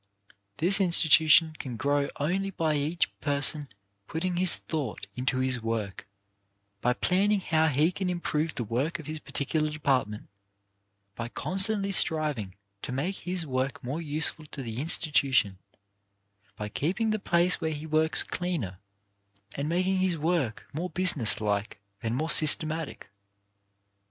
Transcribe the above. This institution can grow only by each person putting his thought into his work, by planning how he can improve the work of his particular department, by constantly striving to make his work more useful to the institution, by keeping 170 CHARACTER BUILDING the place where he works cleaner, and making his work more business like and more systematic.